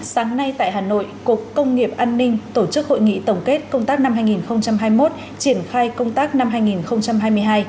sáng nay tại hà nội cục công nghiệp an ninh tổ chức hội nghị tổng kết công tác năm hai nghìn hai mươi một triển khai công tác năm hai nghìn hai mươi hai